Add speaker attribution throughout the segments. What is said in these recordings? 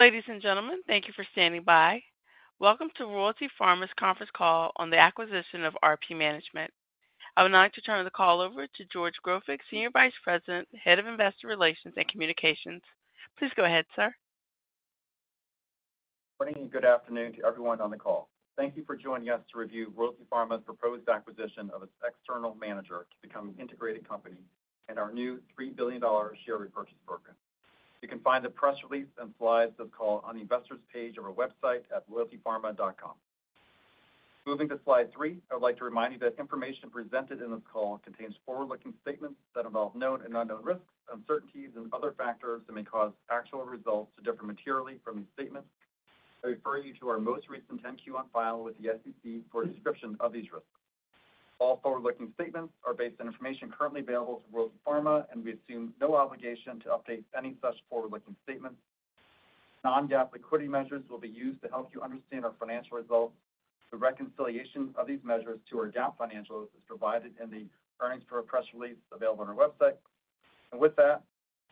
Speaker 1: Ladies and gentlemen, thank you for standing by. Welcome to Royalty Pharma's conference call on the acquisition of RP Management. I would like to turn the call over to George Grofik, Senior Vice President, Head of Investor Relations and Communications. Please go ahead, sir.
Speaker 2: Good morning and good afternoon to everyone on the call. Thank you for joining us to review Royalty Pharma's proposed acquisition of its external manager to become an integrated company and our new $3 billion share repurchase program. You can find the press release and slides of this call on the investors' page of our website at royaltypharma.com. Moving to slide three, I would like to remind you that information presented in this call contains forward-looking statements that involve known and unknown risks, uncertainties, and other factors that may cause actual results to differ materially from these statements. I refer you to our most recent 10-Q on file with the SEC for a description of these risks. All forward-looking statements are based on information currently available to Royalty Pharma, and we assume no obligation to update any such forward-looking statements. Non-GAAP liquidity measures will be used to help you understand our financial results. The reconciliation of these measures to our GAAP financials is provided in the earnings press release available on our website, and with that,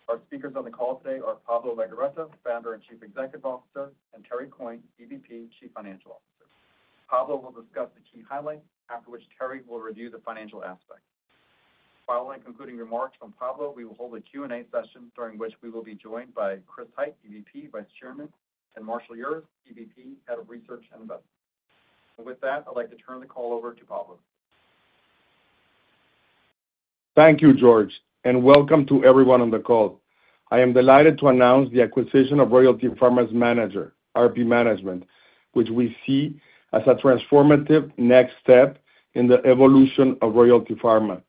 Speaker 2: our speakers on the call today are Pablo Legorreta, Founder and Chief Executive Officer, and Terry Coyne, EVP, Chief Financial Officer. Pablo will discuss the key highlights, after which Terry will review the financial aspects. Following concluding remarks from Pablo, we will hold a Q&A session during which we will be joined by Chris Hite, EVP, Vice Chairman, and Marshall Urist, EVP, Head of Research and Investments, and with that, I'd like to turn the call over to Pablo.
Speaker 3: Thank you, George, and welcome to everyone on the call. I am delighted to announce the acquisition of Royalty Pharma's manager, RP Management, which we see as a transformative next step in the evolution of Royalty Pharma.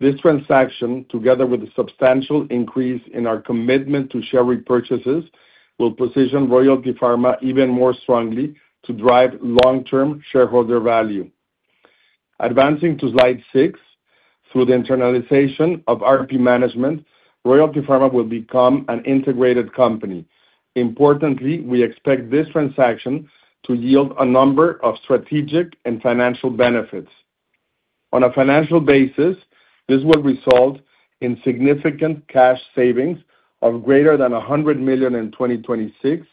Speaker 3: This transaction, together with a substantial increase in our commitment to share repurchases, will position Royalty Pharma even more strongly to drive long-term shareholder value. Advancing to slide six, through the internalization of RP Management, Royalty Pharma will become an integrated company. Importantly, we expect this transaction to yield a number of strategic and financial benefits. On a financial basis, this will result in significant cash savings of greater than $100 million in 2026,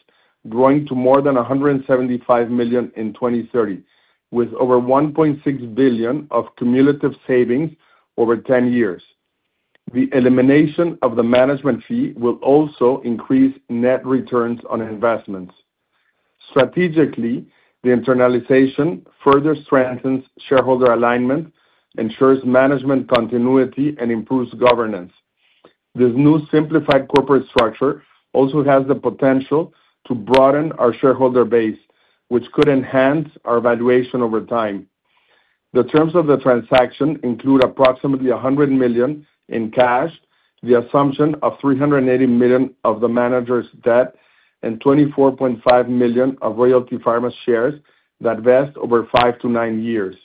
Speaker 3: growing to more than $175 million in 2030, with over $1.6 billion of cumulative savings over 10 years. The elimination of the management fee will also increase net returns on investments. Strategically, the internalization further strengthens shareholder alignment, ensures management continuity, and improves governance. This new simplified corporate structure also has the potential to broaden our shareholder base, which could enhance our valuation over time. The terms of the transaction include approximately $100 million in cash, the assumption of $380 million of the manager's debt, and $24.5 million of Royalty Pharma's shares that vest over five to nine years.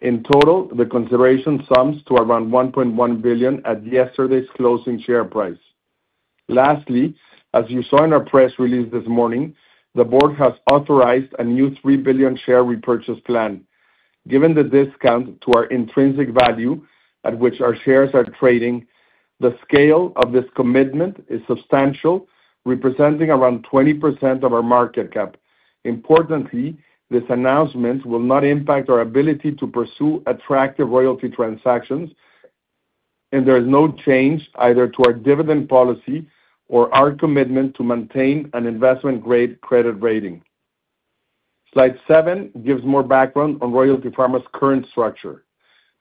Speaker 3: In total, the consideration sums to around $1.1 billion at yesterday's closing share price. Lastly, as you saw in our press release this morning, the board has authorized a new $3 billion share repurchase plan. Given the discount to our intrinsic value at which our shares are trading, the scale of this commitment is substantial, representing around 20% of our market cap. Importantly, this announcement will not impact our ability to pursue attractive royalty transactions, and there is no change either to our dividend policy or our commitment to maintain an investment-grade credit rating. Slide seven gives more background on Royalty Pharma's current structure.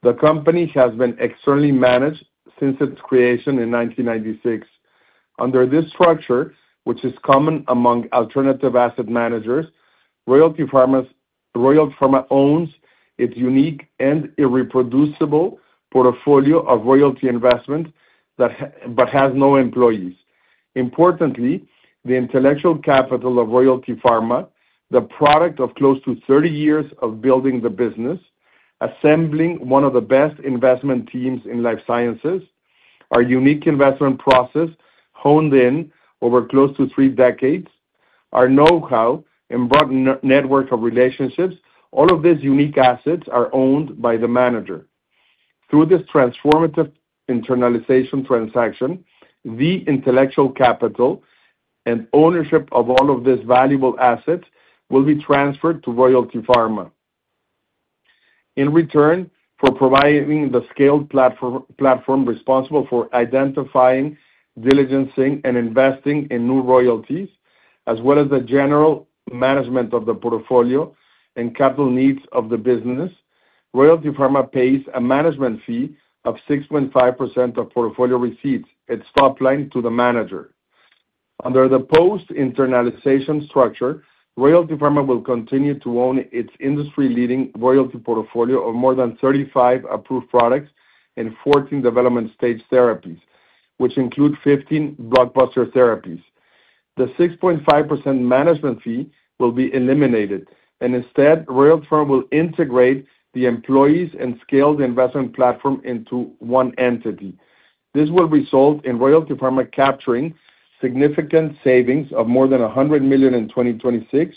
Speaker 3: The company has been externally managed since its creation in 1996. Under this structure, which is common among alternative asset managers, Royalty Pharma owns its unique and irreproducible portfolio of royalty investments but has no employees. Importantly, the intellectual capital of Royalty Pharma, the product of close to 30 years of building the business, assembling one of the best investment teams in life sciences, our unique investment process honed in over close to three decades, our know-how, and broad network of relationships, all of these unique assets are owned by the manager. Through this transformative internalization transaction, the intellectual capital and ownership of all of these valuable assets will be transferred to Royalty Pharma. In return for providing the scaled platform responsible for identifying, diligencing, and investing in new royalties, as well as the general management of the portfolio and capital needs of the business, Royalty Pharma pays a management fee of 6.5% of portfolio receipts at top line to the manager. Under the post-internalization structure, Royalty Pharma will continue to own its industry-leading royalty portfolio of more than 35 approved products and 14 development-stage therapies, which include 15 blockbuster therapies. The 6.5% management fee will be eliminated, and instead, Royalty Pharma will integrate the employees and scale the investment platform into one entity. This will result in Royalty Pharma capturing significant savings of more than $100 million in 2026,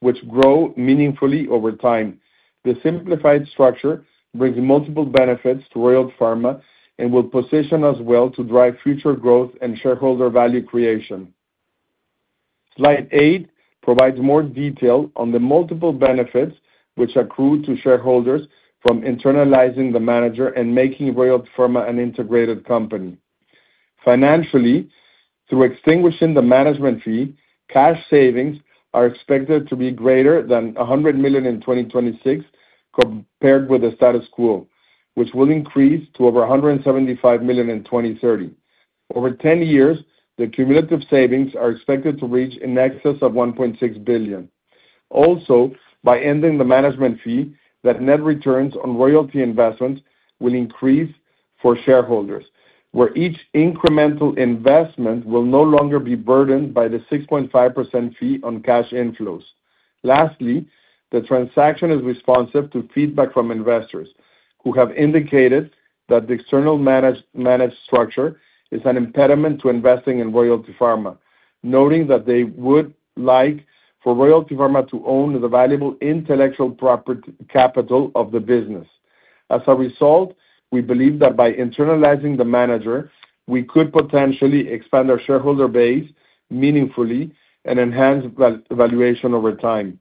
Speaker 3: which grow meaningfully over time. The simplified structure brings multiple benefits to Royalty Pharma and will position us well to drive future growth and shareholder value creation. Slide eight provides more detail on the multiple benefits which accrue to shareholders from internalizing the manager and making Royalty Pharma an integrated company. Financially, through extinguishing the management fee, cash savings are expected to be greater than $100 million in 2026 compared with the status quo, which will increase to over $175 million in 2030. Over 10 years, the cumulative savings are expected to reach in excess of $1.6 billion. Also, by ending the management fee, that net returns on royalty investments will increase for shareholders, where each incremental investment will no longer be burdened by the 6.5% fee on cash inflows. Lastly, the transaction is responsive to feedback from investors who have indicated that the external managed structure is an impediment to investing in Royalty Pharma, noting that they would like for Royalty Pharma to own the valuable intellectual capital of the business. As a result, we believe that by internalizing the manager, we could potentially expand our shareholder base meaningfully and enhance valuation over time.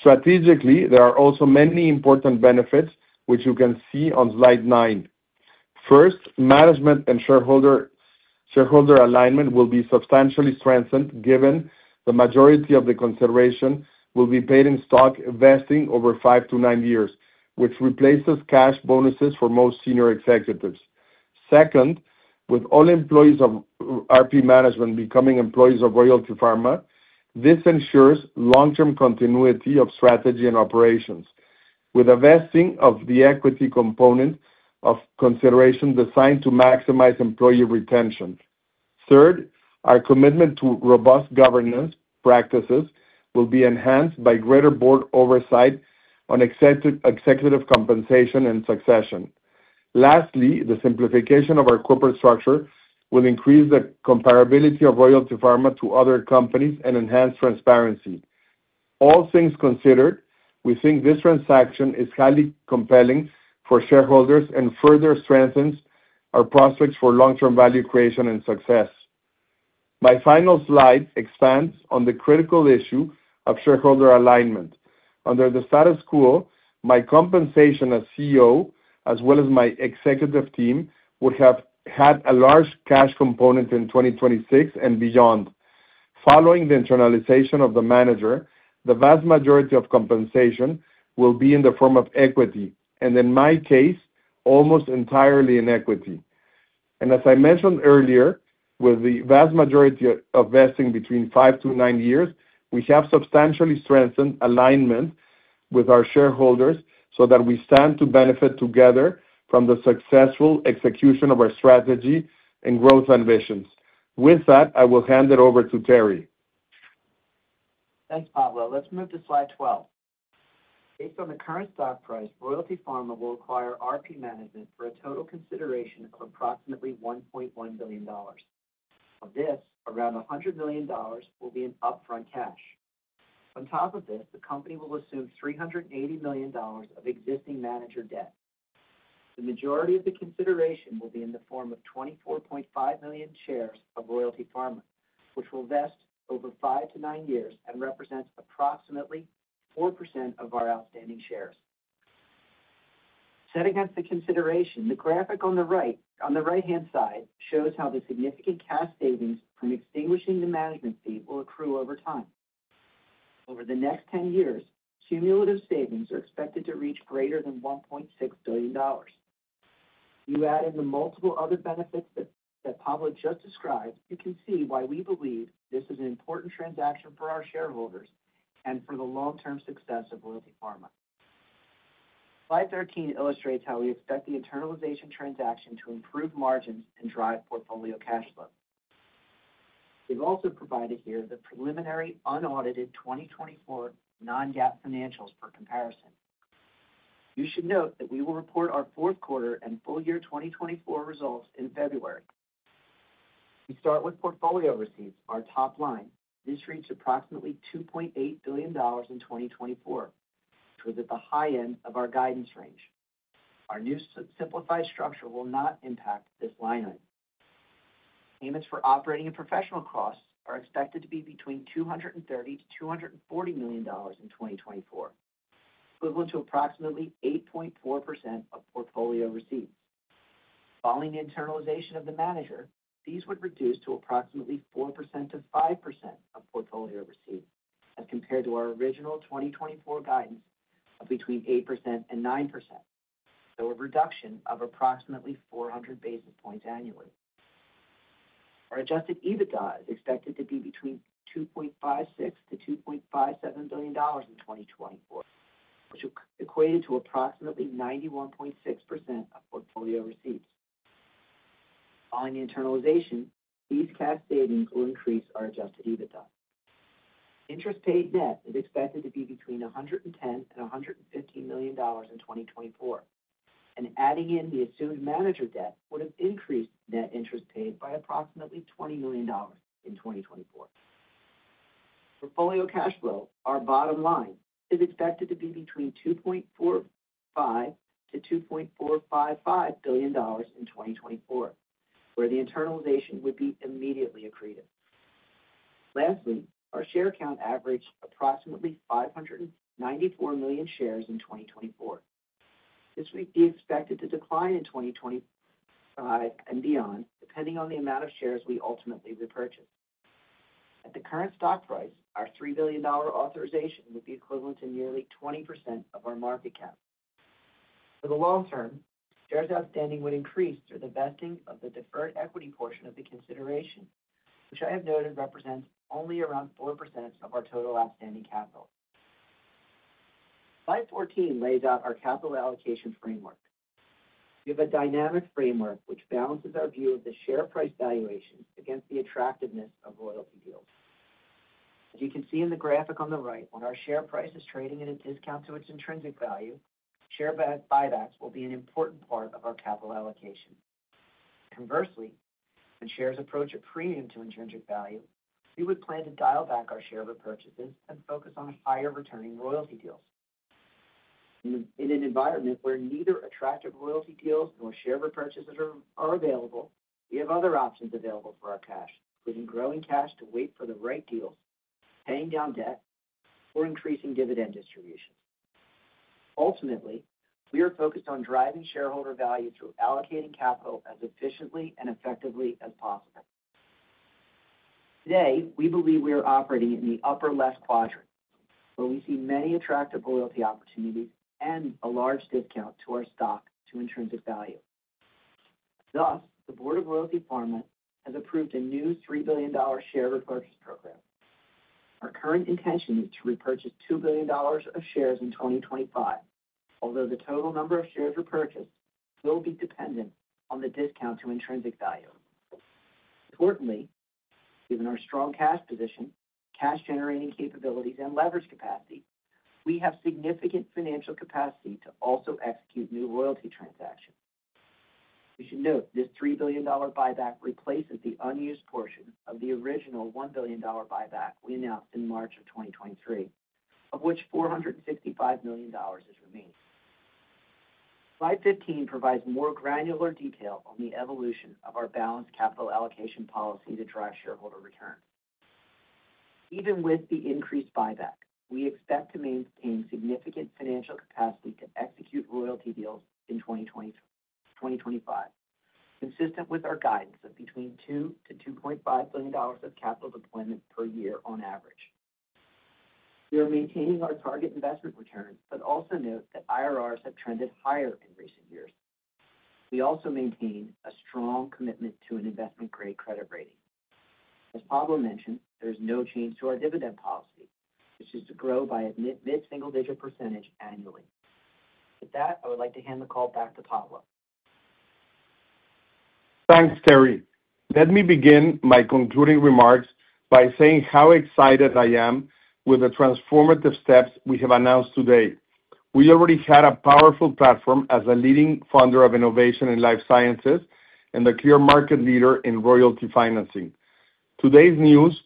Speaker 3: Strategically, there are also many important benefits which you can see on slide nine. First, management and shareholder alignment will be substantially strengthened given the majority of the consideration will be paid in stock vesting over five to nine years, which replaces cash bonuses for most senior executives. Second, with all employees of RP Management becoming employees of Royalty Pharma, this ensures long-term continuity of strategy and operations with a vesting of the equity component of consideration designed to maximize employee retention. Third, our commitment to robust governance practices will be enhanced by greater board oversight on executive compensation and succession. Lastly, the simplification of our corporate structure will increase the comparability of Royalty Pharma to other companies and enhance transparency. All things considered, we think this transaction is highly compelling for shareholders and further strengthens our prospects for long-term value creation and success. My final slide expands on the critical issue of shareholder alignment. Under the status quo, my compensation as CEO, as well as my executive team, would have had a large cash component in 2026 and beyond. Following the internalization of the manager, the vast majority of compensation will be in the form of equity, and in my case, almost entirely in equity. And as I mentioned earlier, with the vast majority of vesting between five to nine years, we have substantially strengthened alignment with our shareholders so that we stand to benefit together from the successful execution of our strategy and growth ambitions. With that, I will hand it over to Terry.
Speaker 4: Thanks, Pablo. Let's move to slide 12. Based on the current stock price, Royalty Pharma will acquire RP Management for a total consideration of approximately $1.1 billion. Of this, around $100 million will be in upfront cash. On top of this, the company will assume $380 million of existing manager debt. The majority of the consideration will be in the form of 24.5 million shares of Royalty Pharma, which will vest over five to nine years and represents approximately 4% of our outstanding shares. Set against the consideration, the graphic on the right-hand side shows how the significant cash savings from extinguishing the management fee will accrue over time. Over the next 10 years, cumulative savings are expected to reach greater than $1.6 billion. You add in the multiple other benefits that Pablo just described, you can see why we believe this is an important transaction for our shareholders and for the long-term success of Royalty Pharma. Slide 13 illustrates how we expect the internalization transaction to improve margins and drive portfolio cash flow. We've also provided here the preliminary unaudited 2024 non-GAAP financials for comparison. You should note that we will report our fourth quarter and full year 2024 results in February. We start with portfolio receipts, our top line. This reached approximately $2.8 billion in 2024, which was at the high end of our guidance range. Our new simplified structure will not impact this line item. Payments for operating and professional costs are expected to be between $230 million-$240 million in 2024, equivalent to approximately 8.4% of portfolio receipts. Following the internalization of the manager, these would reduce to approximately 4%-5% of Portfolio Receipts as compared to our original 2024 guidance of between 8% and 9%, so a reduction of approximately 400 basis points annually. Our Adjusted EBITDA is expected to be between $2.56 billion-$2.57 billion in 2024, which equated to approximately 91.6% of Portfolio Receipts. Following the internalization, these cash savings will increase our Adjusted EBITDA. Interest paid net is expected to be between $110 million-$115 million in 2024, and adding in the assumed manager debt would have increased net interest paid by approximately $20 million in 2024. Portfolio cash flow, our bottom line, is expected to be between $2.45 billion-$2.455 billion in 2024, where the internalization would be immediately accretive. Lastly, our share count averaged approximately 594 million shares in 2024. This would be expected to decline in 2025 and beyond, depending on the amount of shares we ultimately repurchase. At the current stock price, our $3 billion authorization would be equivalent to nearly 20% of our market cap. For the long term, shares outstanding would increase through the vesting of the deferred equity portion of the consideration, which I have noted represents only around 4% of our total outstanding capital. Slide 14 lays out our capital allocation framework. We have a dynamic framework which balances our view of the share price valuations against the attractiveness of royalty deals. As you can see in the graphic on the right, when our share price is trading at a discount to its intrinsic value, share buybacks will be an important part of our capital allocation. Conversely, when shares approach a premium to intrinsic value, we would plan to dial back our share repurchases and focus on higher-returning royalty deals. In an environment where neither attractive royalty deals nor share repurchases are available, we have other options available for our cash, including growing cash to wait for the right deals, paying down debt, or increasing dividend distributions. Ultimately, we are focused on driving shareholder value through allocating capital as efficiently and effectively as possible. Today, we believe we are operating in the upper left quadrant, where we see many attractive royalty opportunities and a large discount to our stock to intrinsic value. Thus, the board of Royalty Pharma has approved a new $3 billion share repurchase program. Our current intention is to repurchase $2 billion of shares in 2025, although the total number of shares repurchased will be dependent on the discount to intrinsic value. Importantly, given our strong cash position, cash-generating capabilities, and leverage capacity, we have significant financial capacity to also execute new royalty transactions. You should note this $3 billion buyback replaces the unused portion of the original $1 billion buyback we announced in March 2023, of which $465 million is remaining. Slide 15 provides more granular detail on the evolution of our balanced capital allocation policy to drive shareholder return. Even with the increased buyback, we expect to maintain significant financial capacity to execute royalty deals in 2025, consistent with our guidance of between $2 billion-$2.5 billion of capital deployment per year on average. We are maintaining our target investment returns, but also note that IRRs have trended higher in recent years. We also maintain a strong commitment to an investment-grade credit rating. As Pablo mentioned, there is no change to our dividend policy, which is to grow by a mid-single-digit % annually. With that, I would like to hand the call back to Pablo.
Speaker 3: Thanks, Terry. Let me begin my concluding remarks by saying how excited I am with the transformative steps we have announced today. We already had a powerful platform as a leading funder of innovation in life sciences and a clear market leader in royalty financing. Today's news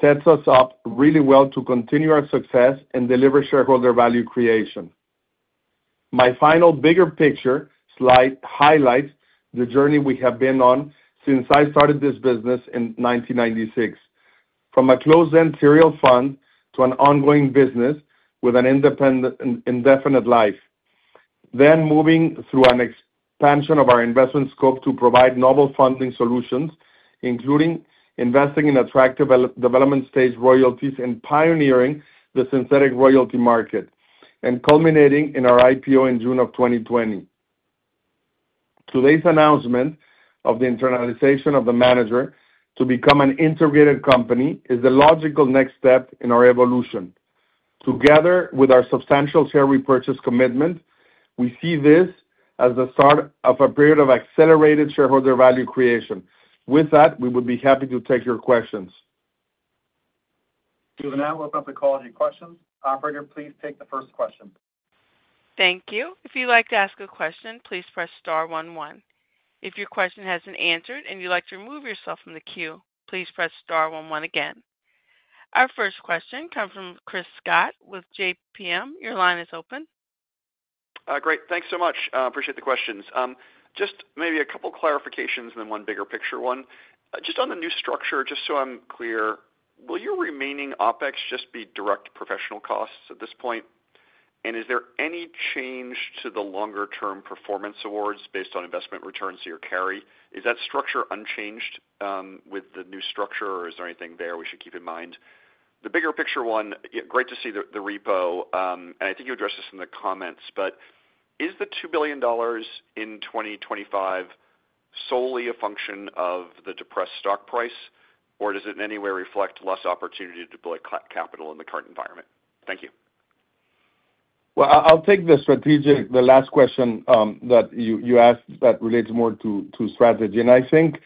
Speaker 3: sets us up really well to continue our success and deliver shareholder value creation. My final bigger picture slide highlights the journey we have been on since I started this business in 1996, from a closed-end serial fund to an ongoing business with an indefinite life, then moving through an expansion of our investment scope to provide novel funding solutions, including investing in attractive development-stage royalties and pioneering the synthetic royalty market, and culminating in our IPO in June of 2020. Today's announcement of the internalization of the manager to become an integrated company is the logical next step in our evolution. Together with our substantial share repurchase commitment, we see this as the start of a period of accelerated shareholder value creation. With that, we would be happy to take your questions.
Speaker 2: you, we'll open up the call to your questions. Operator, please take the first question.
Speaker 1: Thank you. If you'd like to ask a question, please press star 11. If your question hasn't answered and you'd like to remove yourself from the queue, please press star 11 again. Our first question comes from Chris Schott with JPM. Your line is open.
Speaker 5: Great. Thanks so much. Appreciate the questions. Just maybe a couple of clarifications and then one bigger picture one. Just on the new structure, just so I'm clear, will your remaining OpEx just be direct professional costs at this point? And is there any change to the longer-term performance awards based on investment returns to your carry? Is that structure unchanged with the new structure, or is there anything there we should keep in mind? The bigger picture one, great to see the repo, and I think you addressed this in the comments, but is the $2 billion in 2025 solely a function of the depressed stock price, or does it in any way reflect less opportunity to deploy capital in the current environment? Thank you.
Speaker 3: I'll take the last question that you asked that relates more to strategy. I think,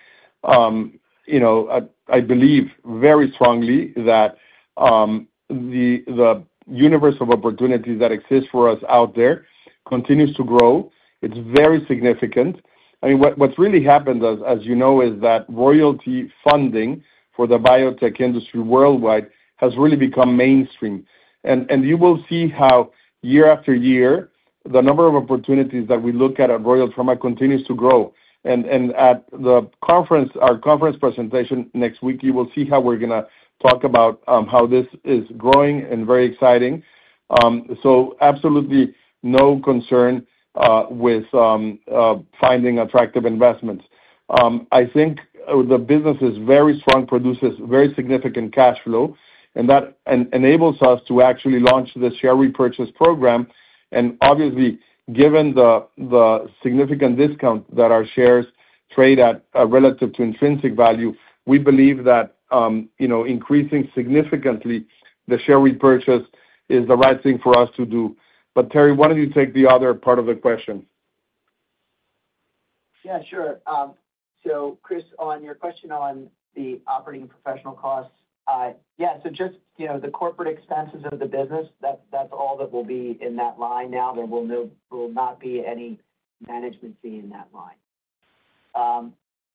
Speaker 3: I believe very strongly that the universe of opportunities that exists for us out there continues to grow. It's very significant. I mean, what's really happened, as you know, is that royalty funding for the biotech industry worldwide has really become mainstream. You will see how year after year, the number of opportunities that we look at at Royalty Pharma continues to grow. At our conference presentation next week, you will see how we're going to talk about how this is growing and very exciting. Absolutely no concern with finding attractive investments. I think the business is very strong, produces very significant cash flow, and that enables us to actually launch the share repurchase program. And obviously, given the significant discount that our shares trade at relative to intrinsic value, we believe that increasing significantly the share repurchase is the right thing for us to do. But Terry, why don't you take the other part of the question?
Speaker 4: Yeah, sure. So Chris, on your question on the operating professional costs, yeah, so just the corporate expenses of the business, that's all that will be in that line now. There will not be any management fee in that line.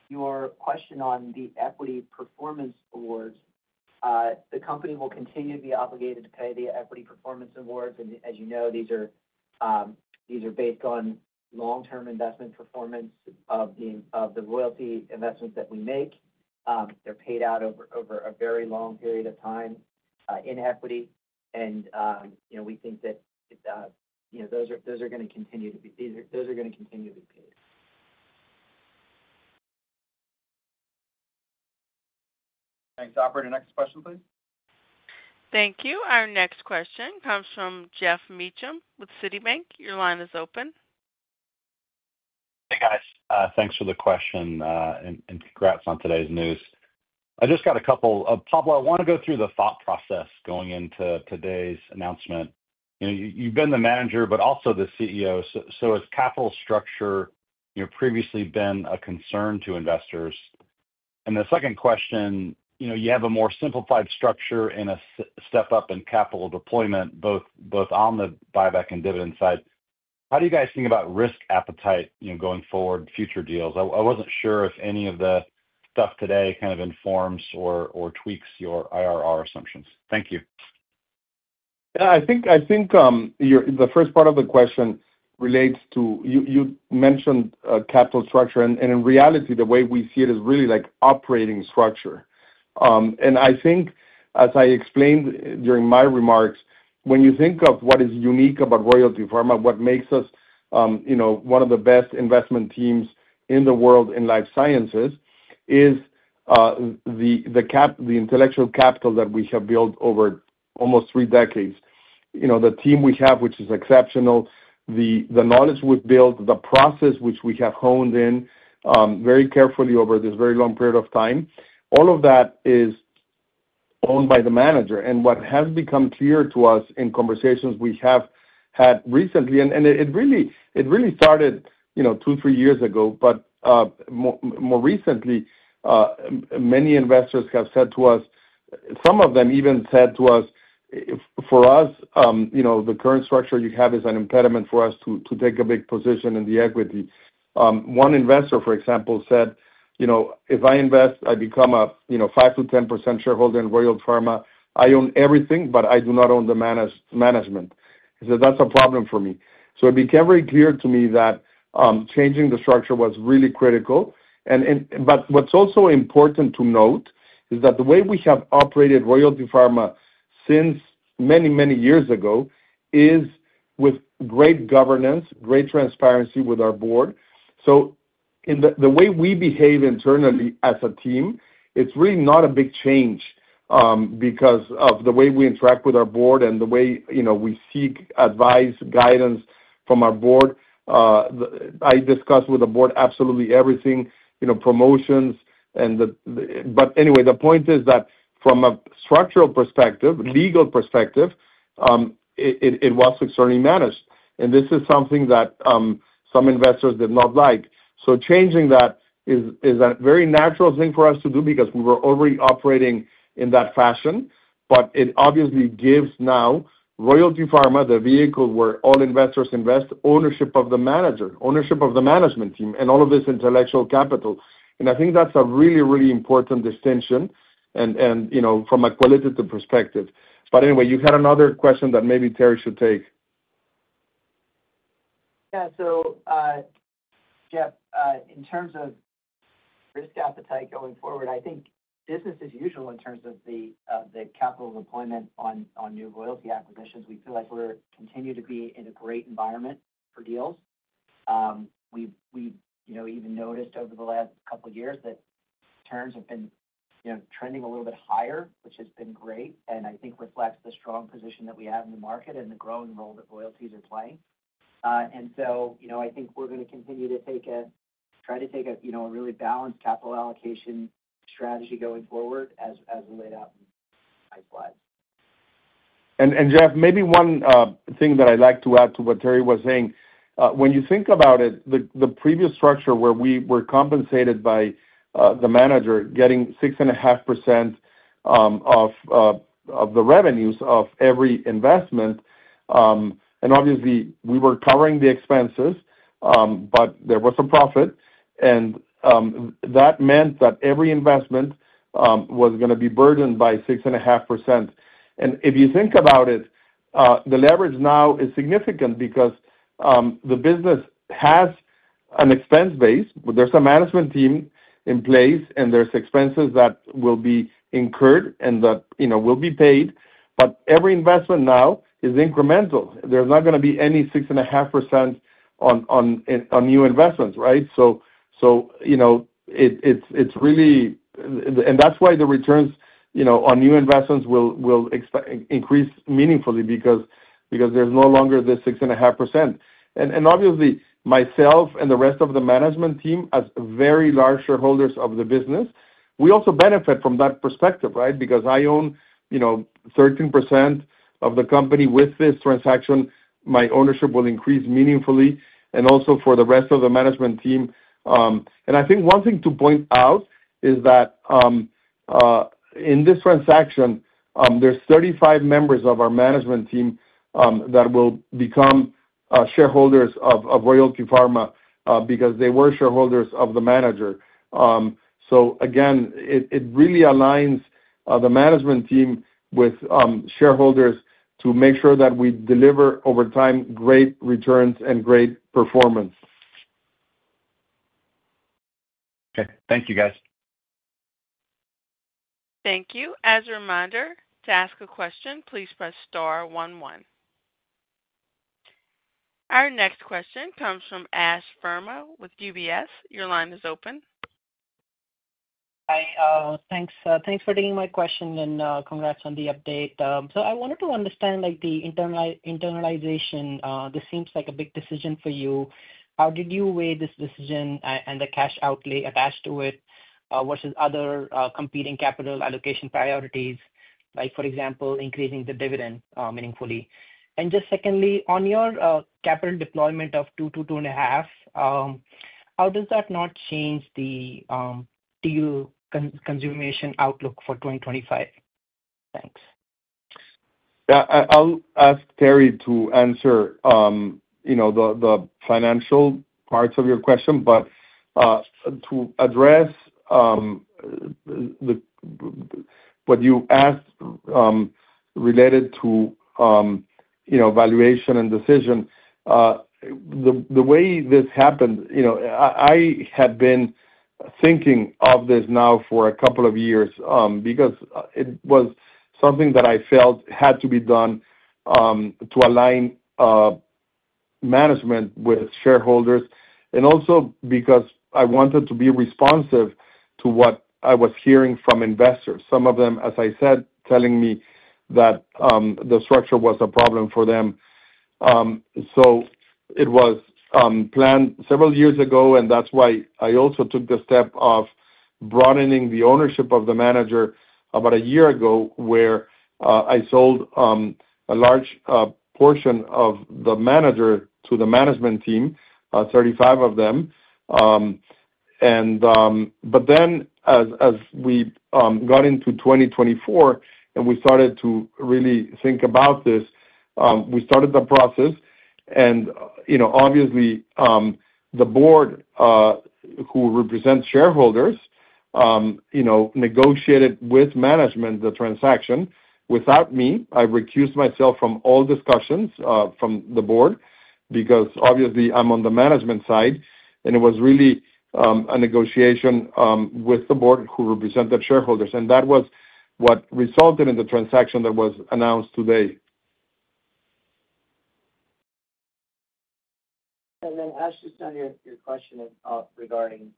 Speaker 4: Your question on the equity performance awards, the company will continue to be obligated to pay the equity performance awards. And as you know, these are based on long-term investment performance of the royalty investments that we make. They're paid out over a very long period of time in equity. And we think that those are going to continue to be paid.
Speaker 2: Thanks. Operator, next question, please.
Speaker 1: Thank you. Our next question comes from Geoff Meacham with Citibank. Your line is open.
Speaker 6: Hey, guys. Thanks for the question and congrats on today's news. I just got a couple for Pablo. I want to go through the thought process going into today's announcement. You've been the manager, but also the CEO. So has capital structure previously been a concern to investors? And the second question, you have a more simplified structure and a step up in capital deployment, both on the buyback and dividend side. How do you guys think about risk appetite going forward, future deals? I wasn't sure if any of the stuff today kind of informs or tweaks your IRR assumptions. Thank you.
Speaker 3: Yeah, I think the first part of the question relates to you mentioned capital structure. And in reality, the way we see it is really like operating structure. And I think, as I explained during my remarks, when you think of what is unique about Royalty Pharma, what makes us one of the best investment teams in the world in life sciences is the intellectual capital that we have built over almost three decades. The team we have, which is exceptional, the knowledge we've built, the process which we have honed in very carefully over this very long period of time, all of that is owned by the manager. What has become clear to us in conversations we have had recently, and it really started two, three years ago, but more recently, many investors have said to us, some of them even said to us, "For us, the current structure you have is an impediment for us to take a big position in the equity." One investor, for example, said, "If I invest, I become a 5%-10% shareholder in Royalty Pharma. I own everything, but I do not own the management." He said, "That's a problem for me." So it became very clear to me that changing the structure was really critical. But what's also important to note is that the way we have operated Royalty Pharma since many, many years ago is with great governance, great transparency with our board. The way we behave internally as a team, it's really not a big change because of the way we interact with our board and the way we seek advice, guidance from our board. I discuss with the board absolutely everything, promotions. But anyway, the point is that from a structural perspective, legal perspective, it was externally managed. And this is something that some investors did not like. So changing that is a very natural thing for us to do because we were already operating in that fashion. But it obviously gives now Royalty Pharma the vehicle where all investors invest, ownership of the manager, ownership of the management team, and all of this intellectual capital. And I think that's a really, really important distinction from a qualitative perspective. But anyway, you had another question that maybe Terry should take.
Speaker 4: Yeah, so Geoff, in terms of risk appetite going forward, I think business as usual in terms of the capital deployment on new royalty acquisitions. We feel like we're continuing to be in a great environment for deals. We even noticed over the last couple of years that terms have been trending a little bit higher, which has been great, and I think reflects the strong position that we have in the market and the growing role that royalties are playing, and so I think we're going to continue to try to take a really balanced capital allocation strategy going forward as laid out in my slides.
Speaker 3: Geoff, maybe one thing that I'd like to add to what Terry was saying. When you think about it, the previous structure where we were compensated by the manager getting 6.5% of the revenues of every investment, and obviously, we were covering the expenses, but there was some profit. And that meant that every investment was going to be burdened by 6.5%. And if you think about it, the leverage now is significant because the business has an expense base. There's a management team in place, and there's expenses that will be incurred and that will be paid. But every investment now is incremental. There's not going to be any 6.5% on new investments, right? So it's really, and that's why the returns on new investments will increase meaningfully because there's no longer this 6.5%. And obviously, myself and the rest of the management team as very large shareholders of the business, we also benefit from that perspective, right? Because I own 13% of the company with this transaction, my ownership will increase meaningfully, and also for the rest of the management team. And I think one thing to point out is that in this transaction, there's 35 members of our management team that will become shareholders of Royalty Pharma because they were shareholders of the manager. So again, it really aligns the management team with shareholders to make sure that we deliver over time great returns and great performance.
Speaker 6: Okay. Thank you, guys.
Speaker 1: Thank you. As a reminder, to ask a question, please press star 11. Our next question comes from Ash Verma with UBS. Your line is open.
Speaker 7: Hi. Thanks for taking my question and congrats on the update. So I wanted to understand the internalization. This seems like a big decision for you. How did you weigh this decision and the cash outlay attached to it versus other competing capital allocation priorities, for example, increasing the dividend meaningfully? And just secondly, on your capital deployment of 2-2.5, how does that not change the consummation outlook for 2025? Thanks.
Speaker 3: Yeah. I'll ask Terry to answer the financial parts of your question, but to address what you asked related to valuation and decision, the way this happened, I had been thinking of this now for a couple of years because it was something that I felt had to be done to align management with shareholders and also because I wanted to be responsive to what I was hearing from investors. Some of them, as I said, telling me that the structure was a problem for them. So it was planned several years ago, and that's why I also took the step of broadening the ownership of the manager about a year ago where I sold a large portion of the manager to the management team, 35 of them. But then as we got into 2024 and we started to really think about this, we started the process. And obviously, the board who represents shareholders negotiated with management the transaction without me. I recused myself from all discussions from the board because obviously, I'm on the management side. And it was really a negotiation with the board who represented shareholders. And that was what resulted in the transaction that was announced today.
Speaker 4: And then Ash, just on your question regarding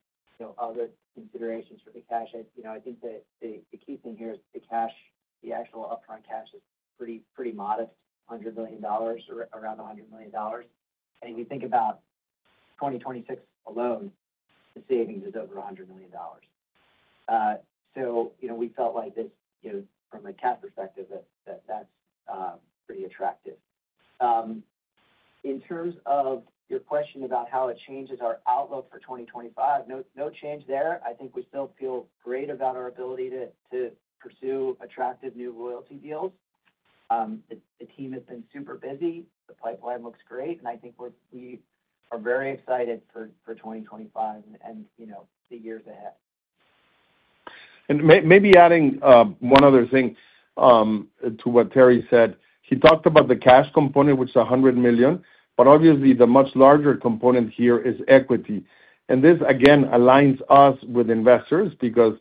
Speaker 4: other considerations for the cash, I think that the key thing here is the cash, the actual upfront cash is pretty modest, $100 million, around $100 million. And if you think about 2026 alone, the savings is over $100 million. So we felt like this from a cash perspective, that that's pretty attractive. In terms of your question about how it changes our outlook for 2025, no change there. I think we still feel great about our ability to pursue attractive new royalty deals. The team has been super busy. The pipeline looks great. And I think we are very excited for 2025 and the years ahead.
Speaker 3: Maybe adding one other thing to what Terry said. He talked about the cash component, which is $100 million, but obviously, the much larger component here is equity. And this, again, aligns us with investors because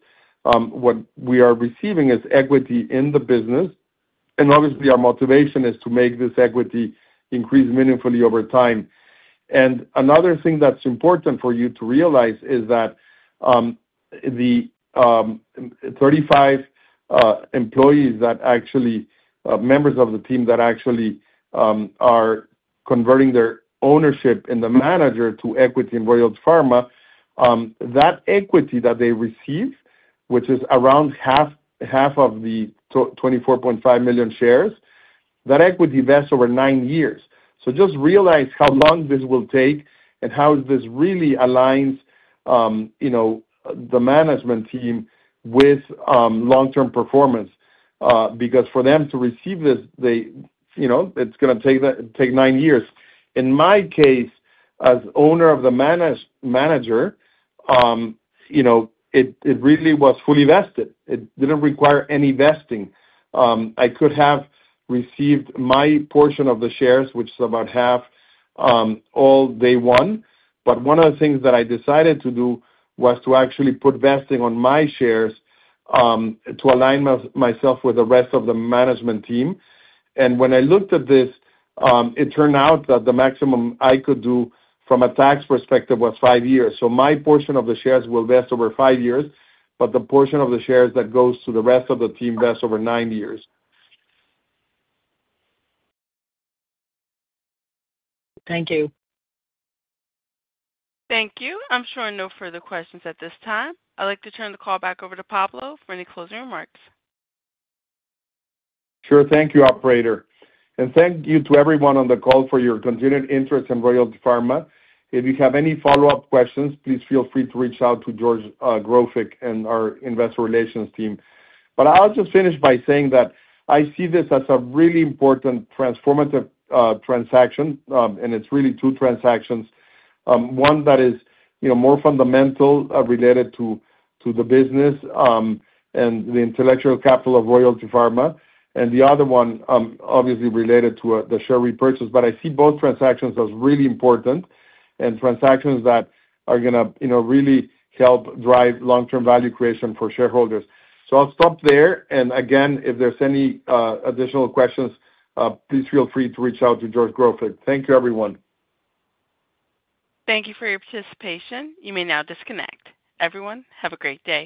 Speaker 3: what we are receiving is equity in the business. And obviously, our motivation is to make this equity increase meaningfully over time. And another thing that's important for you to realize is that the 35 employees that actually members of the team that actually are converting their ownership in the manager to equity in Royalty Pharma, that equity that they receive, which is around half of the 24.5 million shares, that equity vests over nine years. So just realize how long this will take and how this really aligns the management team with long-term performance because for them to receive this, it's going to take nine years. In my case, as owner of the manager, it really was fully vested. It didn't require any vesting. I could have received my portion of the shares, which is about half, all day one, but one of the things that I decided to do was to actually put vesting on my shares to align myself with the rest of the management team, and when I looked at this, it turned out that the maximum I could do from a tax perspective was five years, so my portion of the shares will vest over five years, but the portion of the shares that goes to the rest of the team vests over nine years.
Speaker 7: Thank you.
Speaker 1: Thank you. I'm sure no further questions at this time. I'd like to turn the call back over to Pablo for any closing remarks.
Speaker 3: Sure. Thank you, Operator. And thank you to everyone on the call for your continued interest in Royalty Pharma. If you have any follow-up questions, please feel free to reach out to George Grofik and our investor relations team. But I'll just finish by saying that I see this as a really important transformative transaction, and it's really two transactions. One that is more fundamental related to the business and the intellectual capital of Royalty Pharma, and the other one, obviously, related to the share repurchase. But I see both transactions as really important and transactions that are going to really help drive long-term value creation for shareholders. So I'll stop there. And again, if there's any additional questions, please feel free to reach out to George Grofik. Thank you, everyone.
Speaker 1: Thank you for your participation. You may now disconnect. Everyone, have a great day.